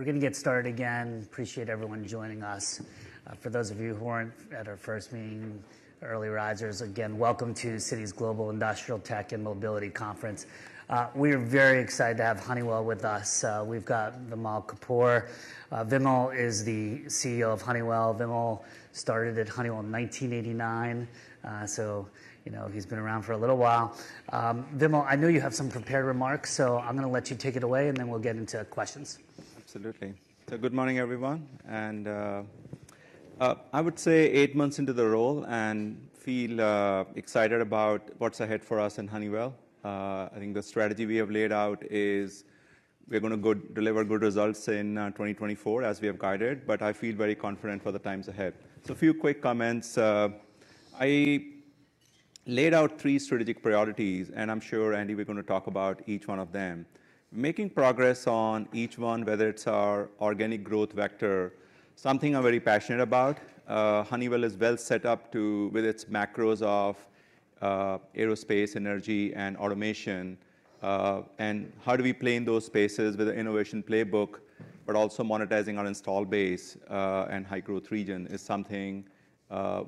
We're going to get started again. Appreciate everyone joining us. For those of you who weren't at our first meeting, early risers, again, welcome to Citi's Global Industrial Tech and Mobility Conference. We are very excited to have Honeywell with us. We've got Vimal Kapur. Vimal is the CEO of Honeywell. Vimal started at Honeywell in 1989, so he's been around for a little while. Vimal, I know you have some prepared remarks, so I'm going to let you take it away, and then we'll get into questions. Absolutely. So good morning, everyone. I would say eight months into the role and feel excited about what's ahead for us in Honeywell. I think the strategy we have laid out is we're going to deliver good results in 2024 as we have guided, but I feel very confident for the times ahead. So a few quick comments. I laid out three strategic priorities, and I'm sure, Andy, we're going to talk about each one of them. Making progress on each one, whether it's our organic growth vector, something I'm very passionate about. Honeywell is well set up with its macros of aerospace, energy, and automation. How do we play in those spaces with an innovation playbook, but also monetizing our install base and high-growth region is something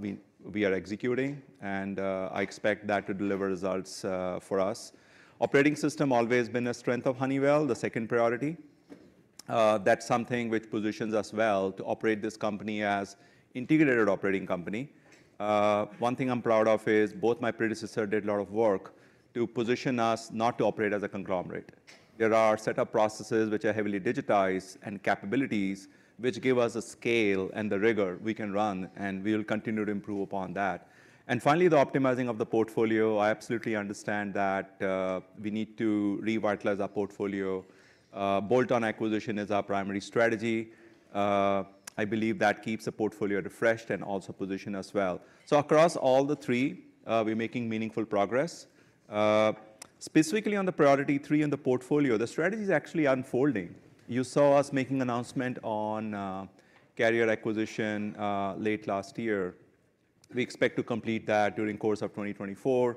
we are executing, and I expect that to deliver results for us. Operating System has always been a strength of Honeywell, the second priority. That's something which positions us well to operate this company as an integrated operating company. One thing I'm proud of is both my predecessors did a lot of work to position us not to operate as a conglomerate. There are setup processes which are heavily digitized and capabilities which give us the scale and the rigor we can run, and we will continue to improve upon that. Finally, the optimizing of the portfolio. I absolutely understand that we need to revitalize our portfolio. Bolt-on acquisition is our primary strategy. I believe that keeps the portfolio refreshed and also positioned as well. Across all the three, we're making meaningful progress. Specifically on the priority three in the portfolio, the strategy is actually unfolding. You saw us making an announcement on Carrier acquisition late last year. We expect to complete that during the course of 2024.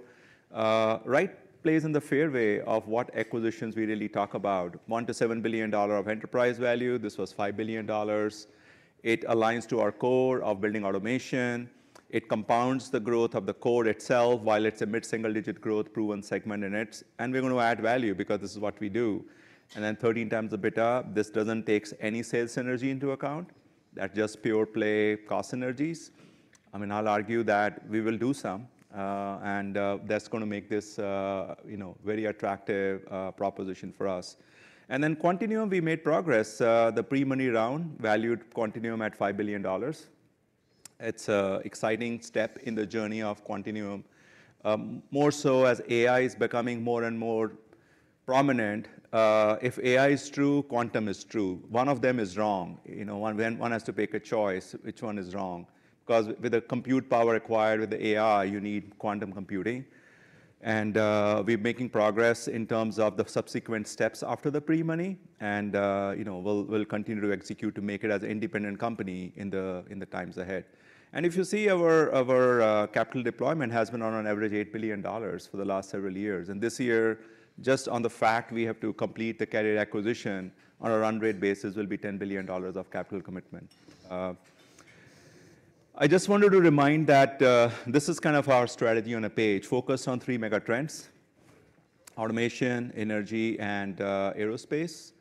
Right plays in the fairway of what acquisitions we really talk about. $1 billion-$7 billion of enterprise value. This was $5 billion. It aligns to our core of Building Automation. It compounds the growth of the core itself while it's a mid-single-digit growth proven segment in it. And we're going to add value because this is what we do. And then 13x the EBITDA, this doesn't take any sales synergy into account. That's just pure play cost synergies. I mean, I'll argue that we will do some, and that's going to make this very attractive proposition for us. And then Quantinuum, we made progress. The pre-money round valued Quantinuum at $5 billion. It's an exciting step in the journey of Quantinuum, more so as AI is becoming more and more prominent. If AI is true, Quantum is true. One of them is wrong. One has to pick a choice which one is wrong. Because with the compute power acquired with the AI, you need quantum computing. We're making progress in terms of the subsequent steps after the pre-money, and we'll continue to execute to make it as an independent company in the times ahead. If you see our capital deployment has been on average of $8 billion for the last several years. This year, just on the fact we have to complete the Carrier acquisition on a run rate basis, it will be $10 billion of capital commitment. I just wanted to remind that this is kind of our strategy on a page, focused on three megatrends: automation, energy, and aerospace,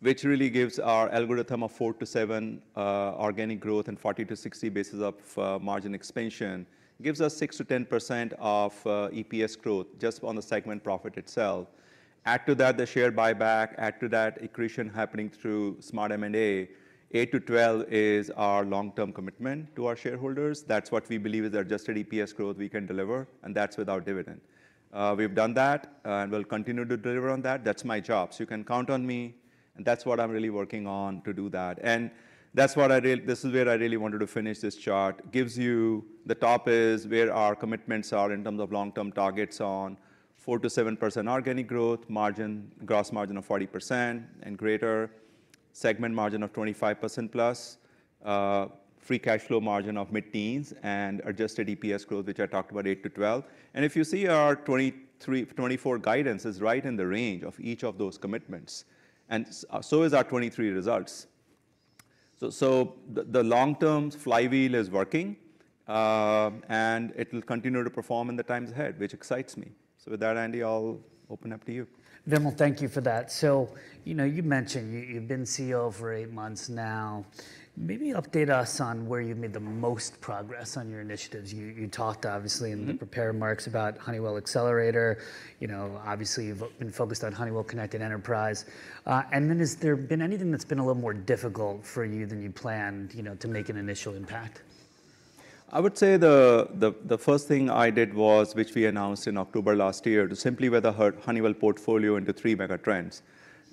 which really gives our algorithm of 4%-7% organic growth and 40-60 basis points of margin expansion. It gives us 6%-10% of EPS growth just on the segment profit itself. Add to that the share buyback. Add to that accretion happening through smart M&A. 8%-12% is our long-term commitment to our shareholders. That's what we believe is adjusted EPS growth we can deliver, and that's without dividend. We've done that, and we'll continue to deliver on that. That's my job. So you can count on me, and that's what I'm really working on to do that. And that's where I really wanted to finish this chart. The top is where our commitments are in terms of long-term targets on 4%-7% organic growth, gross margin of 40% and greater, segment margin of 25% plus, free cash flow margin of mid-teens, and adjusted EPS growth, which I talked about 8%-12%. And if you see our 2024 guidance is right in the range of each of those commitments, and so is our 2023 results. So the long-term flywheel is working, and it will continue to perform in the times ahead, which excites me. So with that, Andy, I'll open up to you. Vimal, thank you for that. So you mentioned you've been CEO for eight months now. Maybe update us on where you've made the most progress on your initiatives. You talked, obviously, in the prepared remarks about Honeywell Accelerator. Obviously, you've been focused on Honeywell Connected Enterprise. And then has there been anything that's been a little more difficult for you than you planned to make an initial impact? I would say the first thing I did was, which we announced in October last year, to simply rearchitect the Honeywell portfolio into three megatrends.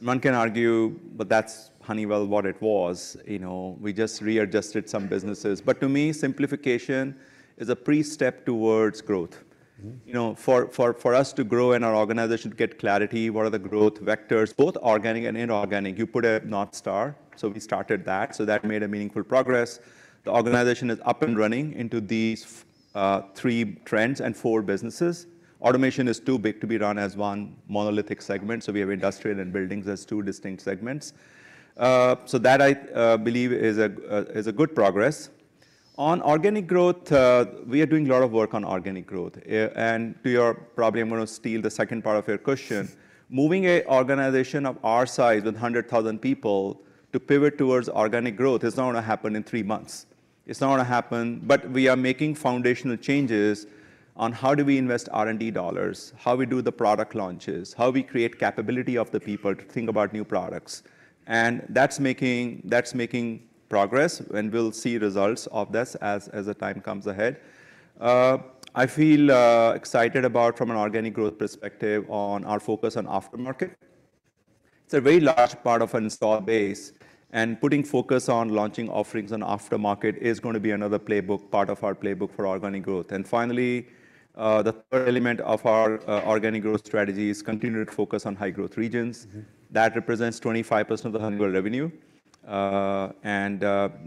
One can argue, but that's Honeywell what it was. We just readjusted some businesses. But to me, simplification is a pre-step towards growth. For us to grow in our organization, to get clarity what are the growth vectors, both organic and inorganic, you need a North Star. So we started that. So that made meaningful progress. The organization is up and running into these three trends and four businesses. Automation is too big to be run as one monolithic segment. So we have industrial and building as two distinct segments. So that I believe is good progress. On organic growth, we are doing a lot of work on organic growth. And to your point probably I'm going to steal the second part of your question. Moving an organization of our size with 100,000 people to pivot towards organic growth is not going to happen in three months. It's not going to happen. But we are making foundational changes on how do we invest R&D dollars, how we do the product launches, how we create capability of the people to think about new products. And that's making progress, and we'll see results of this as the time comes ahead. I feel excited about, from an organic growth perspective, our focus on aftermarket. It's a very large part of an installed base, and putting focus on launching offerings on aftermarket is going to be another playbook part of our playbook for organic growth. And finally, the third element of our organic growth strategy is continued focus on high-growth regions. That represents 25% of the Honeywell revenue.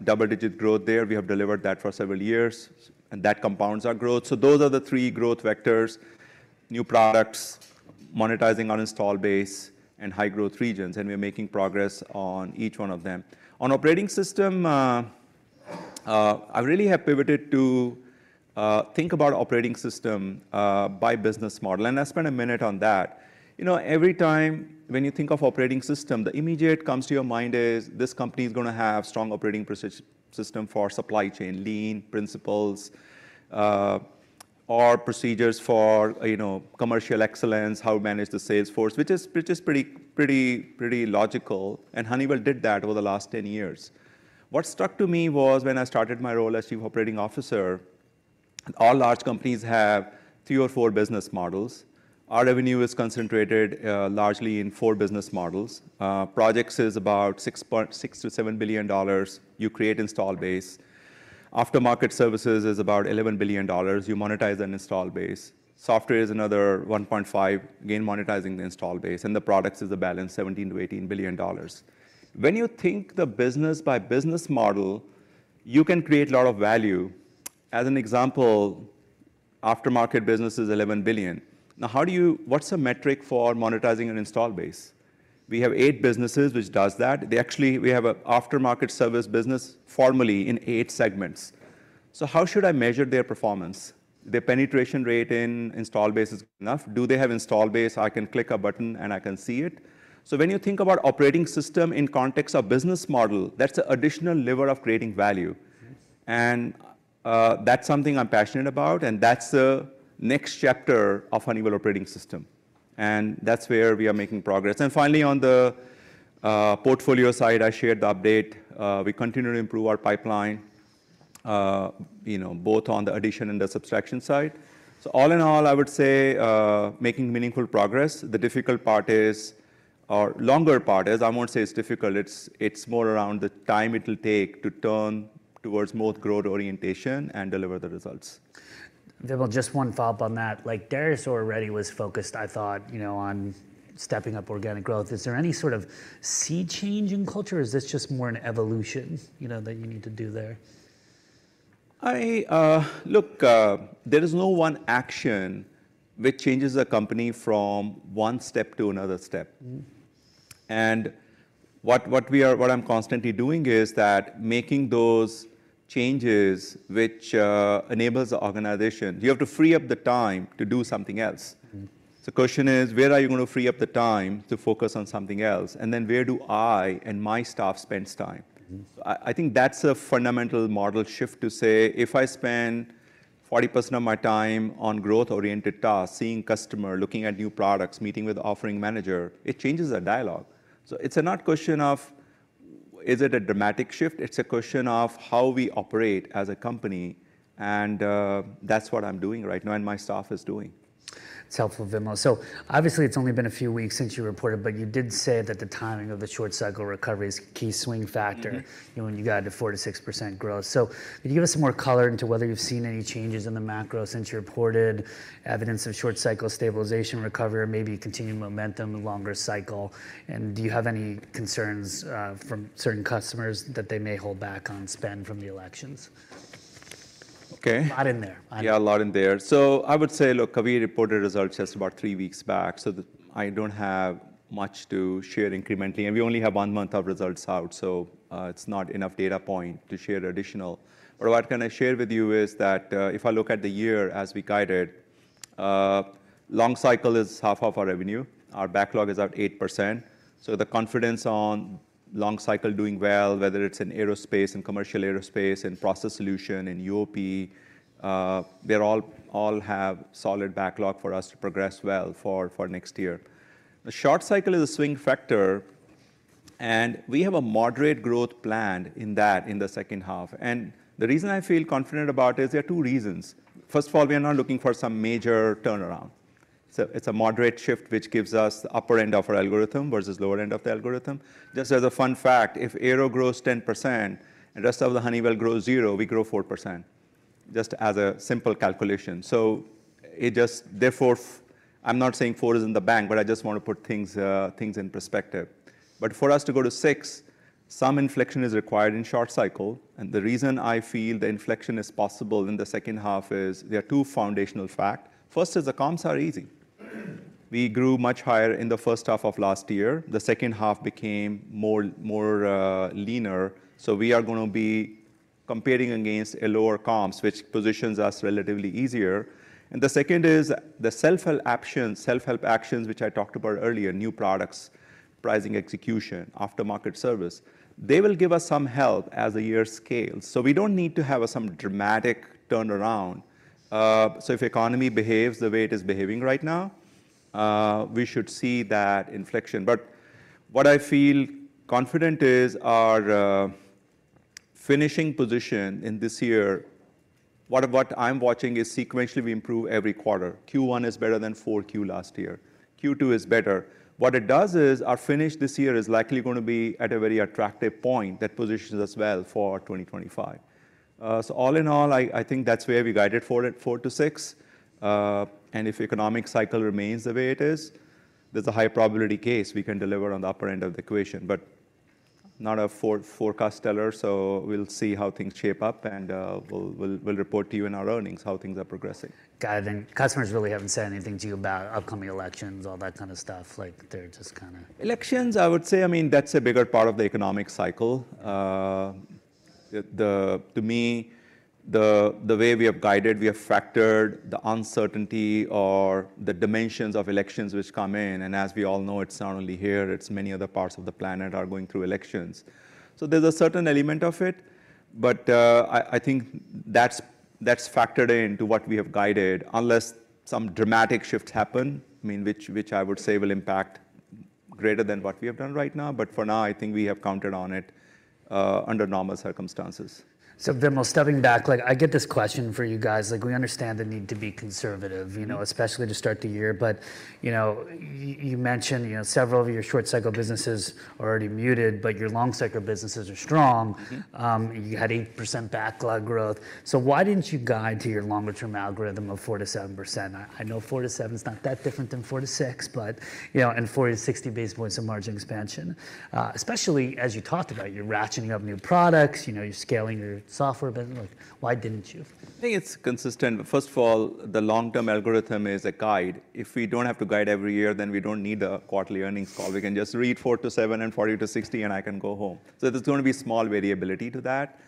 Double-digit growth there, we have delivered that for several years, and that compounds our growth. So those are the three growth vectors: new products, monetizing our install base, and high-growth regions. And we're making progress on each one of them. On Operating System, I really have pivoted to think about Operating System by business model. And I'll spend a minute on that. Every time when you think of Operating System, the immediate comes to your mind is this company is going to have a strong Operating System for supply chain, lean principles, or procedures for commercial excellence, how to manage the sales force, which is pretty logical. And Honeywell did that over the last 10 years. What struck to me was when I started my role as Chief Operating Officer, all large companies have three or four business models. Our revenue is concentrated largely in four business models. Projects is about $6 billion-$7 billion. You create install base. Aftermarket services is about $11 billion. You monetize an install base. Software is another $1.5 billion, again monetizing the install base. And the products is a balance of $17 billion-$18 billion. When you think the business by business model, you can create a lot of value. As an example, aftermarket business is $11 billion. Now, what's the metric for monetizing an install base? We have eight businesses which do that. We have an aftermarket service business formerly in eight segments. So how should I measure their performance? Their penetration rate in install base is enough. Do they have install base? I can click a button, and I can see it. So when you think about Operating System in context of business model, that's an additional lever of creating value. That's something I'm passionate about, and that's the next chapter of Honeywell Operating System. That's where we are making progress. Finally, on the portfolio side, I shared the update. We continue to improve our pipeline, both on the addition and the subtraction side. All in all, I would say making meaningful progress. The difficult part is, or longer part is, I won't say it's difficult. It's more around the time it will take to turn towards more growth orientation and deliver the results. Vimal, just one follow-up on that. Darius already was focused, I thought, on stepping up organic growth. Is there any sort of sea change in culture? Is this just more an evolution that you need to do there? Look, there is no one action which changes a company from one step to another step. And what I'm constantly doing is that making those changes which enable the organization, you have to free up the time to do something else. So the question is, where are you going to free up the time to focus on something else? And then where do I and my staff spend time? So I think that's a fundamental model shift to say, if I spend 40% of my time on growth-oriented tasks, seeing customers, looking at new products, meeting with the offering manager, it changes the dialogue. So it's not a question of, is it a dramatic shift? It's a question of how we operate as a company. And that's what I'm doing right now and my staff is doing. It's helpful, Vimal. So obviously, it's only been a few weeks since you reported, but you did say that the timing of the short-cycle recovery is a key swing factor when you got to 4%-6% growth. So could you give us some more color into whether you've seen any changes in the macro since you reported evidence of short-cycle stabilization, recovery, or maybe continued momentum, longer cycle? And do you have any concerns from certain customers that they may hold back on spend from the elections? Okay. A lot in there. Yeah, a lot in there. So I would say, look, Q4 reported results just about 3 weeks back. So I don't have much to share incrementally. And we only have one month of results out, so it's not enough data point to share additional. But what can I share with you is that if I look at the year as we guided, long cycle is half of our revenue. Our backlog is about 8%. So the confidence on long cycle doing well, whether it's in aerospace, in commercial aerospace, in Process Solutions, in UOP, they all have solid backlog for us to progress well for next year. The short cycle is a swing factor, and we have a moderate growth planned in that in the second half. And the reason I feel confident about it is there are two reasons. First of all, we are not looking for some major turnaround. It's a moderate shift which gives us the upper end of our algorithm versus lower end of the algorithm. Just as a fun fact, if aero grows 10% and the rest of the Honeywell grows 0%, we grow 4%, just as a simple calculation. So therefore, I'm not saying 4% is in the bank, but I just want to put things in perspective. But for us to go to 6%, some inflection is required in short cycle. And the reason I feel the inflection is possible in the second half is there are two foundational facts. First is the comps are easy. We grew much higher in the first half of last year. The second half became more leaner. So we are going to be comparing against a lower comps, which positions us relatively easier. And the second is the self-help actions, which I talked about earlier, new products, pricing execution, aftermarket service. They will give us some help as the year scales. So we don't need to have some dramatic turnaround. So if the economy behaves the way it is behaving right now, we should see that inflection. But what I feel confident is our finishing position in this year. What I'm watching is sequentially we improve every quarter. Q1 is better than 4Q last year. Q2 is better. What it does is our finish this year is likely going to be at a very attractive point that positions us well for 2025. So all in all, I think that's where we guided for it, 4%-6%. And if the economic cycle remains the way it is, there's a high probability case we can deliver on the upper end of the equation. But not a forecast teller, so we'll see how things shape up, and we'll report to you in our earnings how things are progressing. Got it. And customers really haven't said anything to you about upcoming elections, all that kind of stuff? They're just kind of. Elections, I would say, I mean, that's a bigger part of the economic cycle. To me, the way we have guided, we have factored the uncertainty or the dimensions of elections which come in. As we all know, it's not only here. It's many other parts of the planet that are going through elections. So there's a certain element of it. But I think that's factored into what we have guided, unless some dramatic shifts happen, which I would say will impact greater than what we have done right now. But for now, I think we have counted on it under normal circumstances. So Vimal, stepping back, I get this question for you guys. We understand the need to be conservative, especially to start the year. But you mentioned several of your short-cycle businesses are already muted, but your long-cycle businesses are strong. You had 8% backlog growth. So why didn't you guide to your longer-term algorithm of 4%-7%? I know 4%-7% is not that different than 4%-6% and 40 to 60 basis points of margin expansion, especially as you talked about, you're ratcheting up new products, you're scaling your software a bit. Why didn't you? I think it's consistent. First of all, the long-term algorithm is a guide. If we don't have to guide every year, then we don't need a quarterly earnings call. We can just read 4%-7% and 40-60, and I can go home. So there's going to be small variability to that.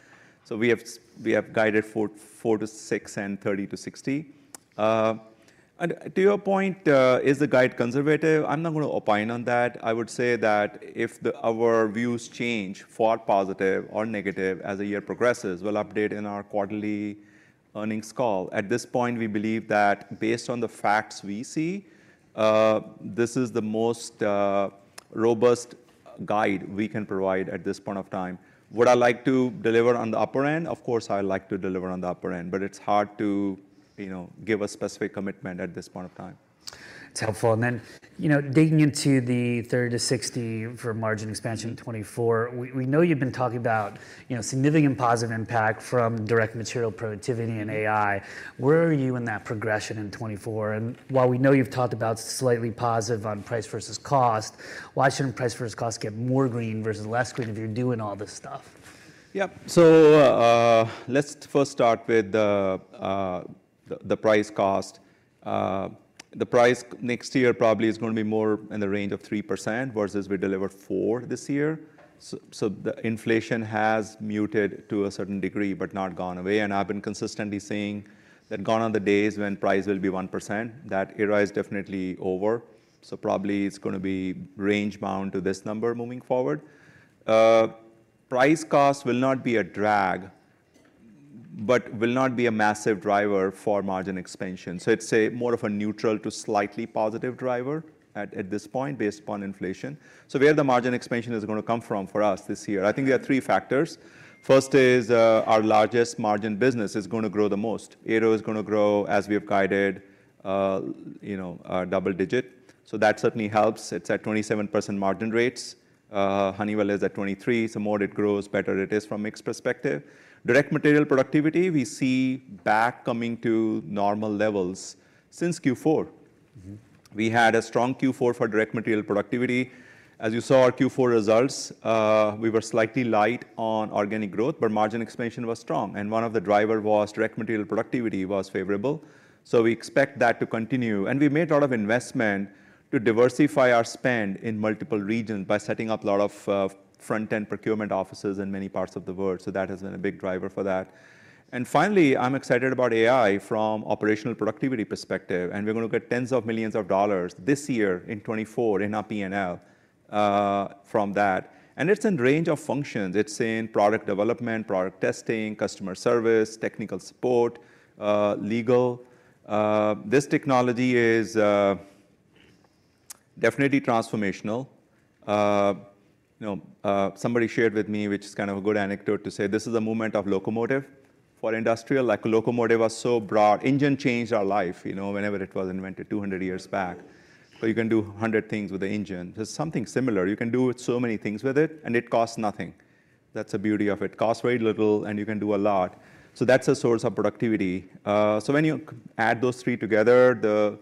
So we have guided 4%-6% and 30-60. And to your point, is the guide conservative? I'm not going to opine on that. I would say that if our views change for positive or negative as the year progresses, we'll update in our quarterly earnings call. At this point, we believe that based on the facts we see, this is the most robust guide we can provide at this point of time. Would I like to deliver on the upper end? Of course, I would like to deliver on the upper end. But it's hard to give a specific commitment at this point of time. It's helpful. Then digging into the 30-60 for margin expansion in 2024, we know you've been talking about significant positive impact from Direct Material Productivity and AI. Where are you in that progression in 2024? And while we know you've talked about slightly positive on price versus cost, why shouldn't price versus cost get more green versus less green if you're doing all this stuff? Yeah. So let's first start with the price cost. The price next year probably is going to be more in the range of 3% versus we delivered 4% this year. So the inflation has muted to a certain degree, but not gone away. And I've been consistently saying that gone are the days when price will be 1%. That era is definitely over. So probably it's going to be range-bound to this number moving forward. Price cost will not be a drag, but will not be a massive driver for margin expansion. So it's more of a neutral to slightly positive driver at this point based upon inflation. So where the margin expansion is going to come from for us this year, I think there are three factors. First is our largest margin business is going to grow the most. Aero is going to grow, as we have guided, double-digit. That certainly helps. It's at 27% margin rates. Honeywell is at 23%. The more it grows, the better it is from a mix perspective. Direct Material Productivity, we see it coming back to normal levels since Q4. We had a strong Q4 for Direct Material Productivity. As you saw our Q4 results, we were slightly light on organic growth, but margin expansion was strong. One of the drivers was that Direct Material Productivity was favorable. We expect that to continue. We made a lot of investment to diversify our spend in multiple regions by setting up a lot of front-end procurement offices in many parts of the world. That has been a big driver for that. Finally, I'm excited about AI from an operational productivity perspective. And we're going to get tens of millions of dollars this year in 2024 in our P&L from that. And it's in range of functions. It's in product development, product testing, customer service, technical support, legal. This technology is definitely transformational. Somebody shared with me, which is kind of a good anecdote, to say this is a movement of locomotive for industrial. A locomotive was so broad. Engine changed our life whenever it was invented, 200 years back. So you can do 100 things with the engine. So it's something similar. You can do so many things with it, and it costs nothing. That's the beauty of it. It costs very little, and you can do a lot. So that's a source of productivity. So when you add those three together,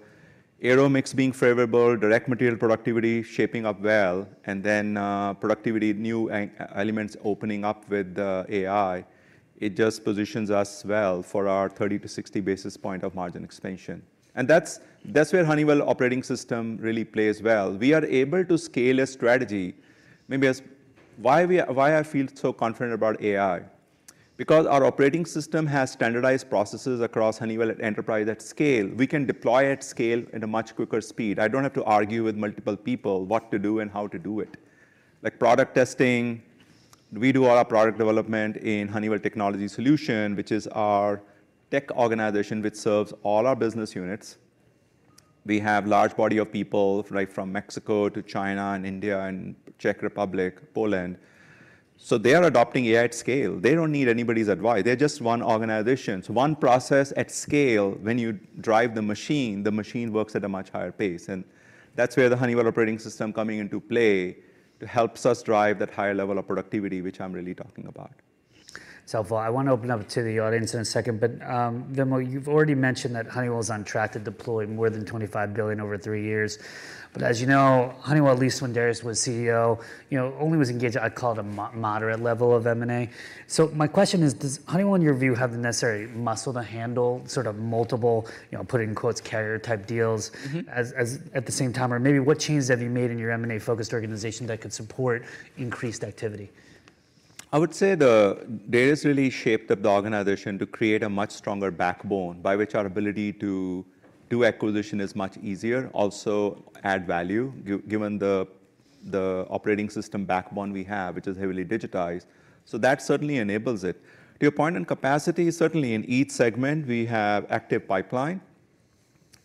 the aero mix being favorable, direct material productivity shaping up well, and then productivity, new elements opening up with AI, it just positions us well for our 30-60 basis points of margin expansion. And that's where Honeywell Operating System really plays well. We are able to scale a strategy. Why I feel so confident about AI? Because our Operating System has standardized processes across Honeywell enterprise at scale. We can deploy at scale at a much quicker speed. I don't have to argue with multiple people what to do and how to do it. Product testing, we do all our product development in Honeywell Technology Solutions, which is our tech organization which serves all our business units. We have a large body of people from Mexico to China and India and the Czech Republic, Poland. So they are adopting AI at scale. They don't need anybody's advice. They're just one organization. So one process at scale, when you drive the machine, the machine works at a much higher pace. And that's where the Honeywell Operating System coming into play helps us drive that higher level of productivity, which I'm really talking about. It's helpful. I want to open up to the audience in a second. But Vimal, you've already mentioned that Honeywell is on track to deploy more than $25 billion over three years. But as you know, Honeywell, at least when Darius was CEO, only was engaged, I call it, a moderate level of M&A. So my question is, does Honeywell, in your view, have the necessary muscle to handle sort of multiple, putting in quotes, "carrier-type" deals at the same time? Or maybe what changes have you made in your M&A-focused organization that could support increased activity? I would say Darius really shaped the organization to create a much stronger backbone by which our ability to do acquisition is much easier, also add value, given the Operating System backbone we have, which is heavily digitized. So that certainly enables it. To your point on capacity, certainly in each segment, we have an active pipeline.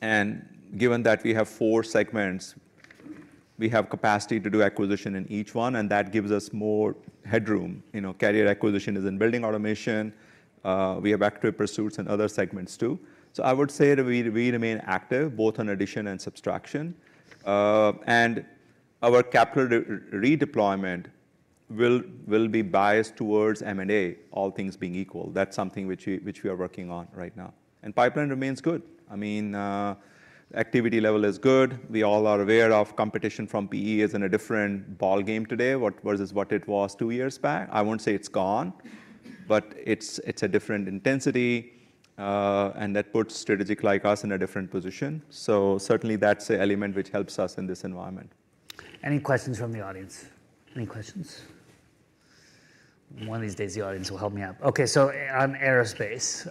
And given that we have four segments, we have capacity to do acquisition in each one. And that gives us more headroom. Carrier acquisition is in Building Automation. We have active pursuits in other segments, too. So I would say that we remain active, both on addition and subtraction. And our capital redeployment will be biased towards M&A, all things being equal. That's something which we are working on right now. And pipeline remains good. I mean, activity level is good. We all are aware of competition from PE is in a different ballgame today versus what it was two years back. I won't say it's gone, but it's a different intensity. That puts strategic, like us, in a different position. Certainly, that's an element which helps us in this environment. Any questions from the audience? Any questions? One of these days, the audience will help me out. OK, so on aerospace,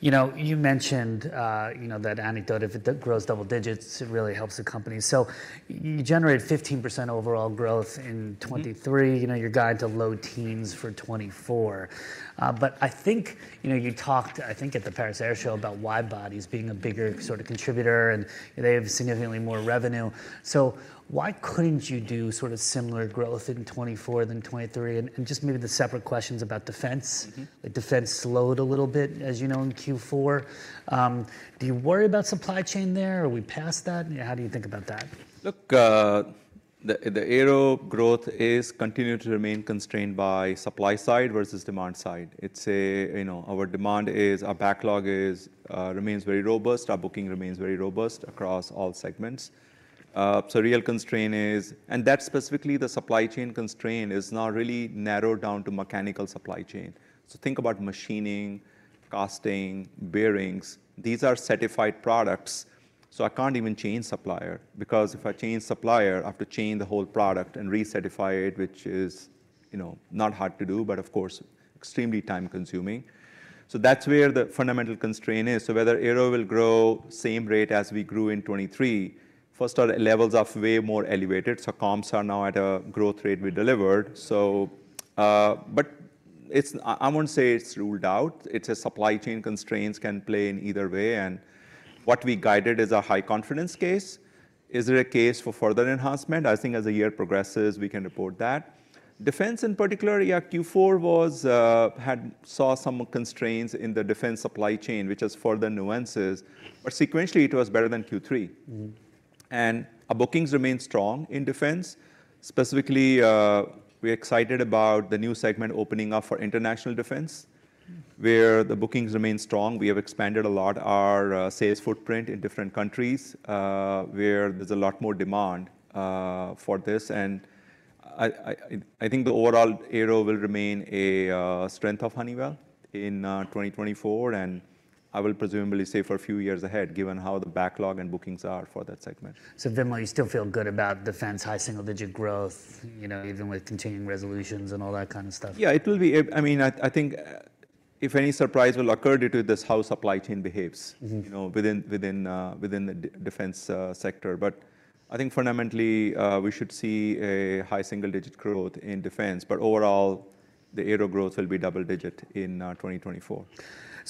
you mentioned that anecdote. If it grows double digits, it really helps the company. So you generated 15% overall growth in 2023. You're guided to low teens for 2024. But I think you talked, I think, at the Paris Air Show about widebody as being a bigger sort of contributor. And they have significantly more revenue. So why couldn't you do sort of similar growth in 2024 than 2023? And just maybe the separate questions about defense. Defense slowed a little bit, as you know, in Q4. Do you worry about supply chain there? Are we past that? How do you think about that? Look, the aero growth continues to remain constrained by supply side versus demand side. Our demand is our backlog remains very robust. Our booking remains very robust across all segments. So real constraint is and that specifically, the supply chain constraint is now really narrowed down to mechanical supply chain. So think about machining, casting, bearings. These are certified products. So I can't even change supplier. Because if I change supplier, I have to change the whole product and recertify it, which is not hard to do, but of course, extremely time-consuming. So that's where the fundamental constraint is. So whether aero will grow the same rate as we grew in 2023, first, our levels are way more elevated. So comps are now at a growth rate we delivered. But I won't say it's ruled out. It's a supply chain constraint that can play in either way. What we guided is a high confidence case. Is there a case for further enhancement? I think as the year progresses, we can report that. Defense, in particular, yeah, Q4 saw some constraints in the defense supply chain, which has further nuances. But sequentially, it was better than Q3. And our bookings remain strong in defense. Specifically, we're excited about the new segment opening up for international defense, where the bookings remain strong. We have expanded a lot our sales footprint in different countries, where there's a lot more demand for this. And I think the overall aero will remain a strength of Honeywell in 2024. And I will presumably say for a few years ahead, given how the backlog and bookings are for that segment. Vimal, you still feel good about defense high single-digit growth, even with continuing resolutions and all that kind of stuff? Yeah, it will be. I mean, I think if any surprise will occur due to how the supply chain behaves within the defense sector. I think fundamentally, we should see a high single-digit growth in defense. Overall, the aero growth will be double-digit in 2024.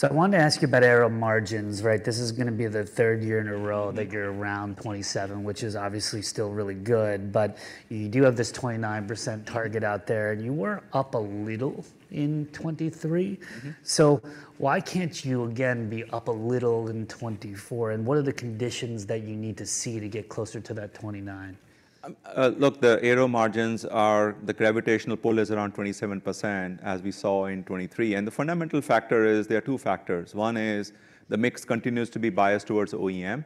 I wanted to ask you about aero margins. This is going to be the third year in a row that you're around 27%, which is obviously still really good. But you do have this 29% target out there. And you were up a little in 2023. So why can't you, again, be up a little in 2024? And what are the conditions that you need to see to get closer to that 29%? Look, the aero margins are the gravitational pull around 27%, as we saw in 2023. The fundamental factor is there are two factors. One is the mix continues to be biased towards OEM,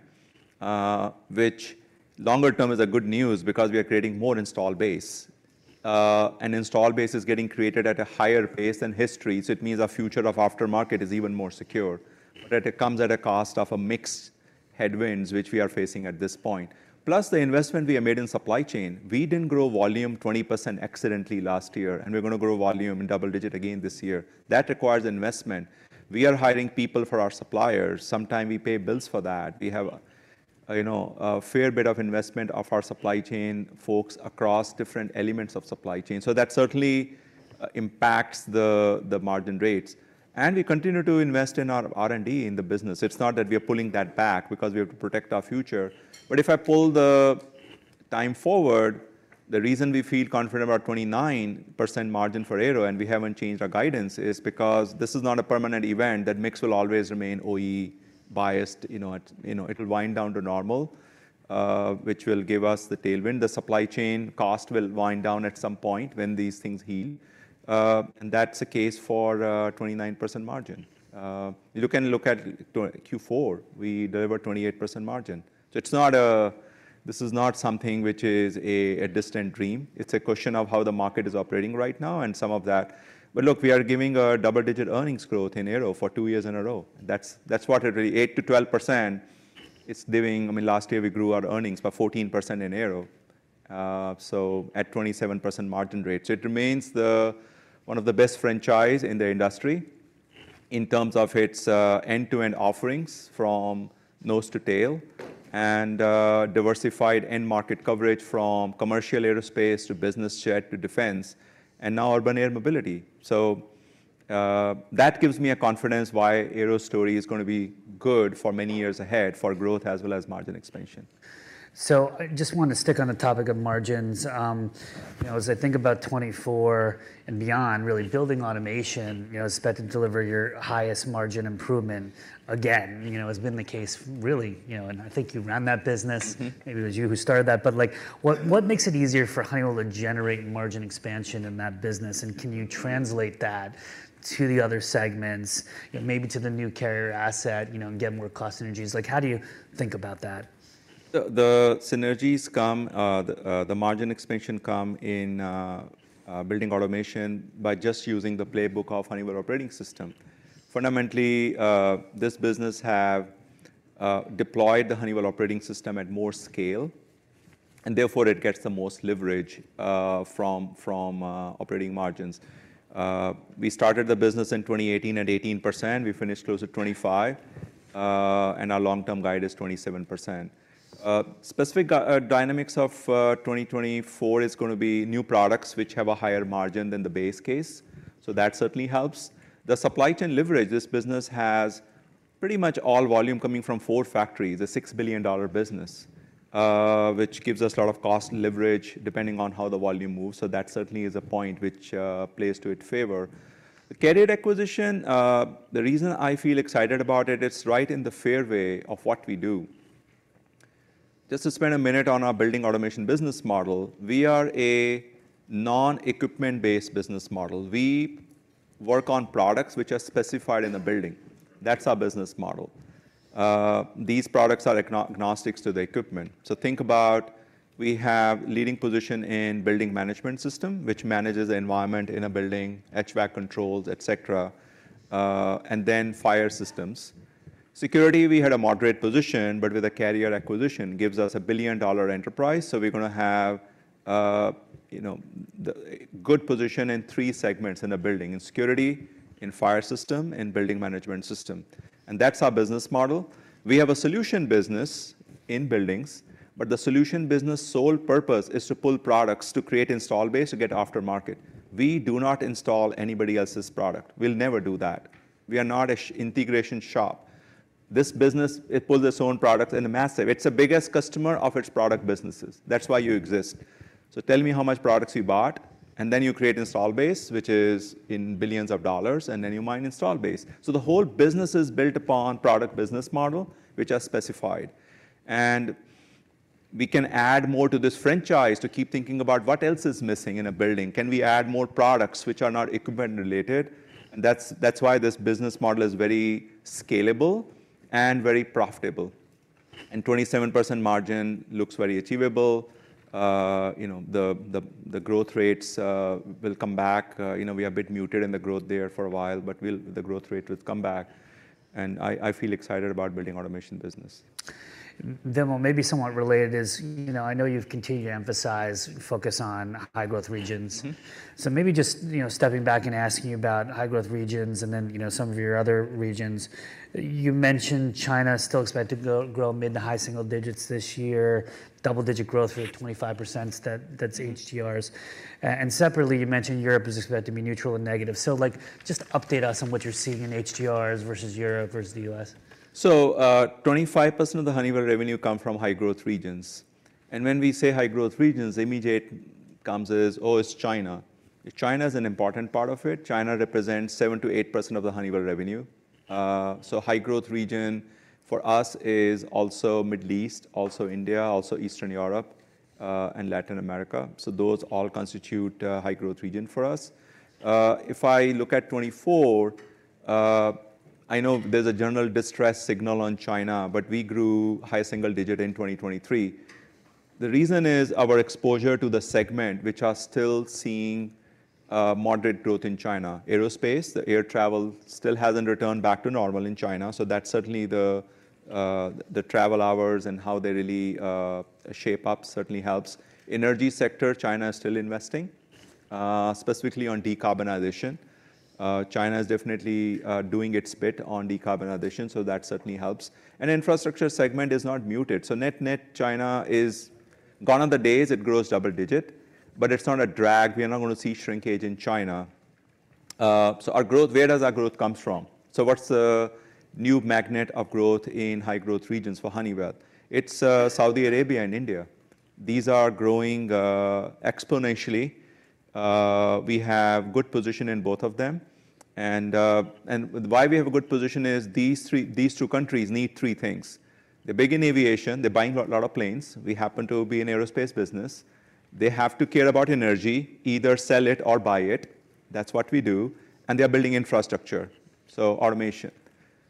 which longer-term is good news because we are creating more install base. And install base is getting created at a higher pace than history. So it means our future of aftermarket is even more secure. But it comes at a cost of mixed headwinds, which we are facing at this point. Plus, the investment we made in supply chain, we didn't grow volume 20% accidentally last year. And we're going to grow volume and double-digit again this year. That requires investment. We are hiring people for our suppliers. Sometimes we pay bills for that. We have a fair bit of investment of our supply chain folks across different elements of supply chain. So that certainly impacts the margin rates. We continue to invest in our R&D in the business. It's not that we are pulling that back because we have to protect our future. But if I pull the time forward, the reason we feel confident about 29% margin for aero, and we haven't changed our guidance, is because this is not a permanent event. That mix will always remain OE biased. It will wind down to normal, which will give us the tailwind. The supply chain cost will wind down at some point when these things heal. And that's the case for a 29% margin. You can look at Q4. We delivered a 28% margin. So this is not something which is a distant dream. It's a question of how the market is operating right now and some of that. But look, we are giving a double-digit earnings growth in aero for two years in a row. That's what it really is 8%-12%. I mean, last year, we grew our earnings by 14% in aero, so at 27% margin rate. So it remains one of the best franchises in the industry in terms of its end-to-end offerings from nose to tail and diversified end-market coverage from commercial aerospace to business jet to defense and now urban air mobility. So that gives me confidence why aero's story is going to be good for many years ahead for growth as well as margin expansion. So I just want to stick on the topic of margins. As I think about 2024 and beyond, really Building Automation is expected to deliver your highest margin improvement again. It's been the case, really. And I think you ran that business. Maybe it was you who started that. But what makes it easier for Honeywell to generate margin expansion in that business? And can you translate that to the other segments, maybe to the new Carrier asset and getting more cost synergies? How do you think about that? The synergies come, the margin expansion come, in Building Automation by just using the playbook of Honeywell Operating System. Fundamentally, this business has deployed the Honeywell Operating System at more scale. Therefore, it gets the most leverage from operating margins. We started the business in 2018 at 18%. We finished close to 25%. Our long-term guide is 27%. Specific dynamics of 2024 is going to be new products which have a higher margin than the base case. That certainly helps. The supply chain leverage, this business has pretty much all volume coming from four factories. It's a $6 billion business, which gives us a lot of cost leverage depending on how the volume moves. That certainly is a point which plays to its favor. The Carrier acquisition, the reason I feel excited about it, it's right in the fairway of what we do. Just to spend a minute on our Building Automation business model, we are a non-equipment-based business model. We work on products which are specified in the building. That's our business model. These products are agnostic to the equipment. So think about we have a leading position in building management system, which manages the environment in a building, HVAC controls, et cetera, and then fire systems. Security, we had a moderate position. But with a Carrier acquisition, it gives us a billion-dollar enterprise. So we're going to have a good position in three segments in a building: in security, in fire system, and building management system. And that's our business model. We have a solution business in buildings. But the solution business' sole purpose is to pull products to create installed base to get aftermarket. We do not install anybody else's product. We'll never do that. We are not an integration shop. This business, it pulls its own products and massive, it's the biggest customer of its product businesses. That's why you exist. So tell me how much products you bought. And then you create installed base, which is in billions of dollars. And then you mine installed base. So the whole business is built upon a product business model which is specific. And we can add more to this franchise to keep thinking about what else is missing in a building. Can we add more products which are not equipment-related? And that's why this business model is very scalable and very profitable. And a 27% margin looks very achievable. The growth rates will come back. We are a bit muted in the growth there for a while. But the growth rate will come back. And I feel excited about Building Automation business. Vimal, maybe somewhat related is I know you've continued to emphasize focus on high-growth regions. So maybe just stepping back and asking you about high-growth regions and then some of your other regions. You mentioned China is still expected to grow mid-to-high single-digits this year, double-digit growth for the 25%. That's HGRs. And separately, you mentioned Europe is expected to be neutral and negative. So just update us on what you're seeing in HGRs versus Europe versus the US. So 25% of the Honeywell revenue comes from high-growth regions. When we say high-growth regions, immediately comes as, oh, it's China. China is an important part of it. China represents 7%-8% of the Honeywell revenue. High-growth region for us is also the Middle East, also India, also Eastern Europe, and Latin America. Those all constitute a high-growth region for us. If I look at 2024, I know there's a general distress signal on China. But we grew high single digit in 2023. The reason is our exposure to the segment, which is still seeing moderate growth in China, aerospace, the air travel still hasn't returned back to normal in China. So that certainly, the travel hours and how they really shape up certainly helps. Energy sector, China is still investing, specifically on decarbonization. China is definitely doing its bit on decarbonization. So that certainly helps. And the infrastructure segment is not muted. So net-net, China is, gone on the downside. It grows double-digit. But it's not a drag. We are not going to see shrinkage in China. So our growth, where does our growth come from? So what's the new magnet of growth in high-growth regions for Honeywell? It's Saudi Arabia and India. These are growing exponentially. We have a good position in both of them. And why we have a good position is these two countries need three things. They're big in aviation. They're buying a lot of planes. We happen to be in the aerospace business. They have to care about energy, either sell it or buy it. That's what we do. And they are building infrastructure, so automation.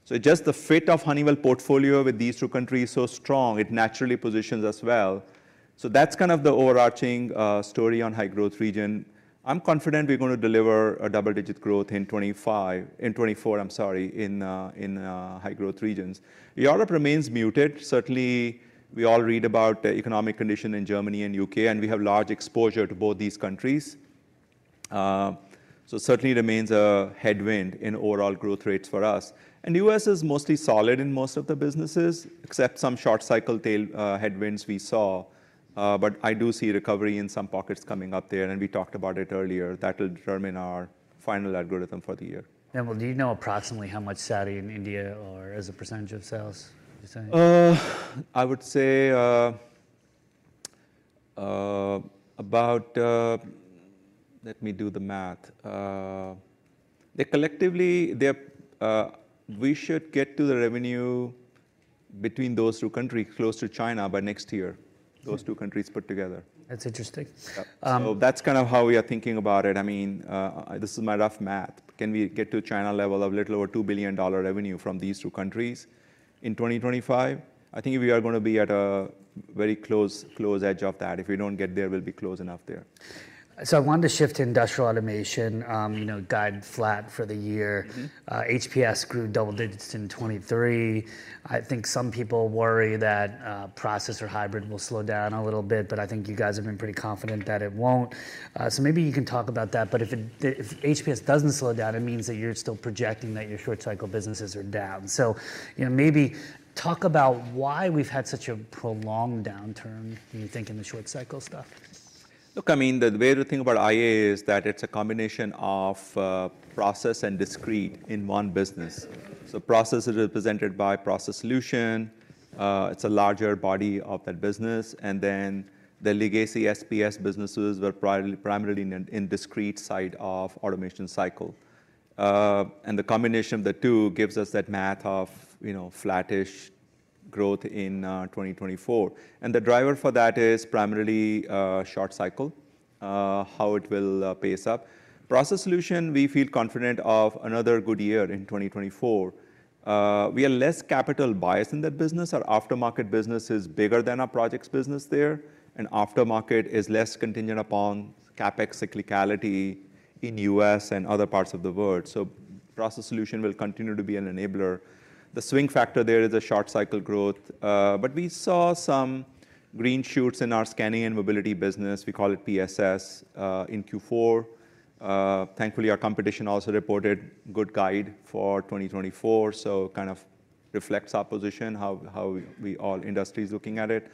So just the fit of Honeywell's portfolio with these two countries is so strong, it naturally positions us well. So that's kind of the overarching story on high-growth region. I'm confident we're going to deliver double-digit growth in 2024, I'm sorry, in high-growth regions. Europe remains muted. Certainly, we all read about the economic condition in Germany and U.K. And we have large exposure to both these countries. So it certainly remains a headwind in overall growth rates for us. And the U.S. is mostly solid in most of the businesses, except some short-cycle headwinds we saw. But I do see recovery in some pockets coming up there. And we talked about it earlier. That will determine our final algorithm for the year. Vimal, do you know approximately how much Saudi and India are as a percentage of sales? I would say about, let me do the math. We should get to the revenue between those two countries close to China by next year, those two countries put together. That's interesting. So that's kind of how we are thinking about it. I mean, this is my rough math. Can we get to a China level of a little over $2 billion revenue from these two countries in 2025? I think we are going to be at a very close edge of that. If we don't get there, we'll be close enough there. So I wanted to shift to industrial automation, guide flat for the year. HPS grew double digits in 2023. I think some people worry that process or hybrid will slow down a little bit. But I think you guys have been pretty confident that it won't. So maybe you can talk about that. But if HPS doesn't slow down, it means that you're still projecting that your short-cycle businesses are down. So maybe talk about why we've had such a prolonged downturn, you think, in the short-cycle stuff. Look, I mean, the way to think about IA is that it's a combination of process and discrete in one business. So process is represented by Process Solutions. It's a larger body of that business. And then the legacy SPS businesses were primarily in the discrete side of the automation cycle. And the combination of the two gives us that math of flattish growth in 2024. And the driver for that is primarily short-cycle, how it will pace up. Process Solutions, we feel confident of another good year in 2024. We are less capital-biased in that business. Our aftermarket business is bigger than our projects' business there. And aftermarket is less contingent upon CapEx cyclicality in the U.S. and other parts of the world. So Process Solutions will continue to be an enabler. The swing factor there is short-cycle growth. But we saw some green shoots in our Scanning and Mobility business. We call it PSS in Q4. Thankfully, our competition also reported a good guide for 2024. So it kind of reflects our position, how all industries are looking at it.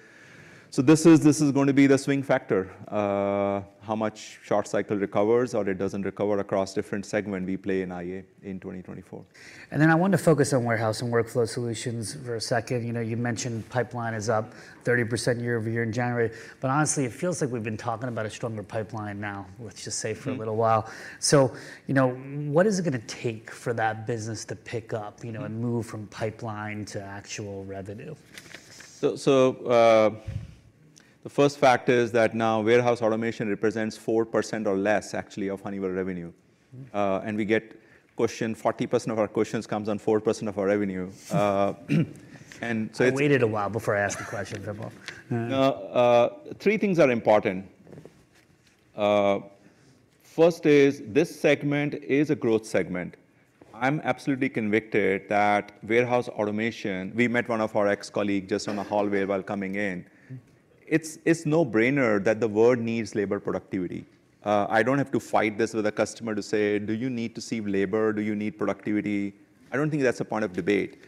So this is going to be the swing factor, how much short-cycle recovers or it doesn't recover across different segments we play in IA in 2024. And then I wanted to focus on Warehouse and Workflow Solutions for a second. You mentioned the pipeline is up 30% year-over-year in January. But honestly, it feels like we've been talking about a stronger pipeline now. Let's just say for a little while. So what is it going to take for that business to pick up and move from pipeline to actual revenue? So the first factor is that now warehouse automation represents 4% or less, actually, of Honeywell revenue. And we get questions, 40% of our questions come on 4% of our revenue. I waited a while before I asked the question, Vimal. Three things are important. First is this segment is a growth segment. I'm absolutely convinced that warehouse automation. We met one of our ex-colleagues just in the hallway while coming in. It's a no-brainer that the world needs labor productivity. I don't have to fight this with a customer to say, do you need to see labor? Do you need productivity? I don't think that's a point of debate.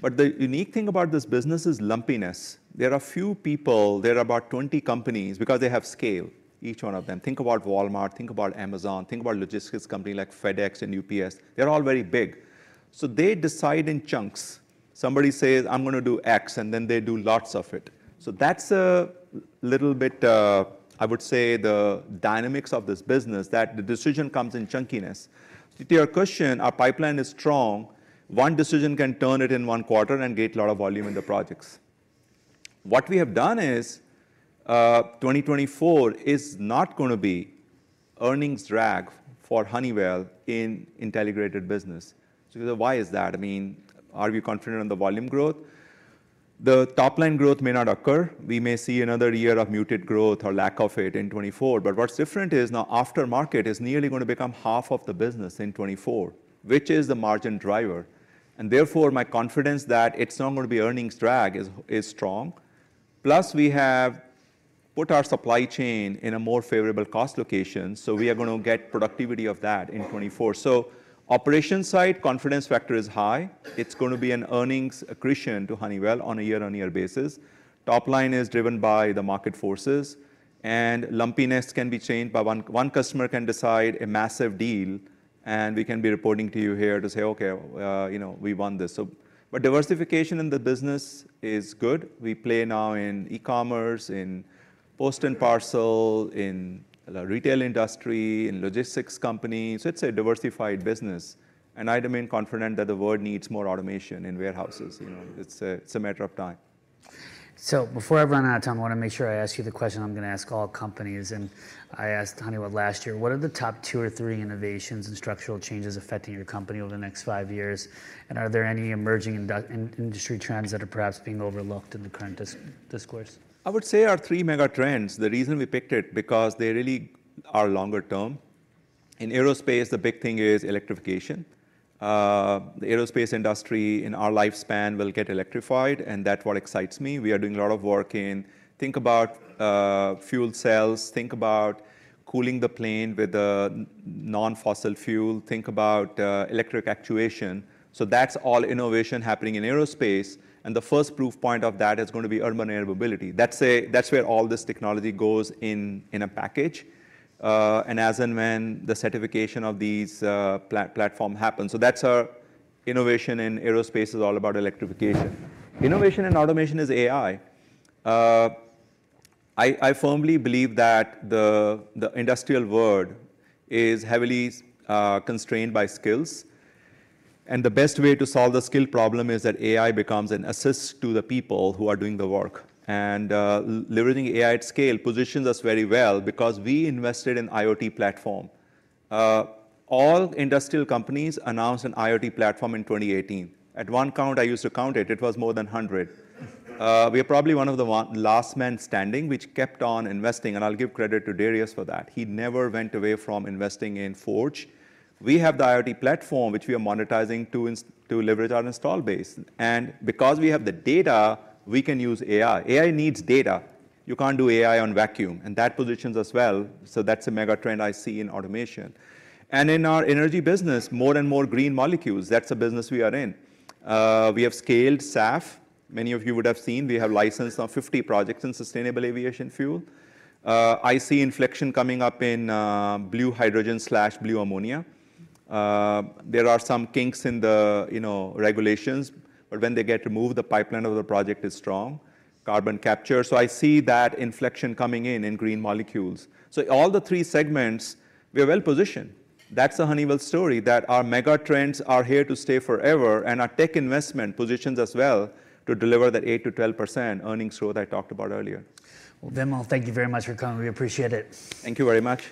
But the unique thing about this business is lumpiness. There are a few people. There are about 20 companies because they have scale, each one of them. Think about Walmart. Think about Amazon. Think about logistics companies like FedEx and UPS. They're all very big. So they decide in chunks. Somebody says, I'm going to do X. And then they do lots of it. So that's a little bit, I would say, the dynamics of this business, that the decision comes in chunkiness. To your question, our pipeline is strong. One decision can turn it in one quarter and get a lot of volume in the projects. What we have done is 2024 is not going to be an earnings drag for Honeywell in an integrated business. So why is that? I mean, are we confident in the volume growth? The top-line growth may not occur. We may see another year of muted growth or lack of it in 2024. But what's different is now aftermarket is nearly going to become half of the business in 2024, which is the margin driver. And therefore, my confidence that it's not going to be an earnings drag is strong. Plus, we have put our supply chain in a more favorable cost location. So we are going to get productivity of that in 2024. So operations side, the confidence factor is high. It's going to be an earnings accretion to Honeywell on a year-on-year basis. Top-line is driven by the market forces. And lumpiness can be changed, by, one customer can decide a massive deal. And we can be reporting to you here to say, okay, we won this. But diversification in the business is good. We play now in e-commerce, in post and parcel, in the retail industry, in logistics companies. So it's a diversified business. And I remain confident that the world needs more automation in warehouses. It's a matter of time. Before I run out of time, I want to make sure I ask you the question I'm going to ask all companies. I asked Honeywell last year, what are the top two or three innovations and structural changes affecting your company over the next five years? Are there any emerging industry trends that are perhaps being overlooked in the current discourse? I would say our three megatrends, the reason we picked it is because they really are longer term. In aerospace, the big thing is electrification. The aerospace industry in our lifespan will get electrified. And that's what excites me. We are doing a lot of work in thinking about fuel cells. Think about cooling the plane with non-fossil fuel. Think about electric actuation. So that's all innovation happening in aerospace. And the first proof point of that is going to be urban air mobility. That's where all this technology goes in a package, and as and when the certification of these platforms happens. So that's our innovation in aerospace is all about electrification. Innovation in automation is AI. I firmly believe that the industrial world is heavily constrained by skills. The best way to solve the skill problem is that AI becomes an assist to the people who are doing the work. Leveraging AI at scale positions us very well because we invested in an IoT platform. All industrial companies announced an IoT platform in 2018. At one count, I used to count it. It was more than 100. We are probably one of the last men standing, which kept on investing. I'll give credit to Darius for that. He never went away from investing in Forge. We have the IoT platform, which we are monetizing to leverage our installed base. Because we have the data, we can use AI. AI needs data. You can't do AI on vacuum. That positions us well. So that's a megatrend I see in automation. In our energy business, more and more green molecules. That's a business we are in. We have scaled SAF. Many of you would have seen. We have licensed now 50 projects in sustainable aviation fuel. I see inflection coming up in blue hydrogen/blue ammonia. There are some kinks in the regulations. But when they get removed, the pipeline of the project is strong, Carbon Capture. So I see that inflection coming in in green molecules. So all the three segments, we are well positioned. That's the Honeywell story, that our megatrends are here to stay forever. And our tech investment positions us well to deliver that 8%-12% earnings growth I talked about earlier. Vimal, thank you very much for coming. We appreciate it. Thank you very much.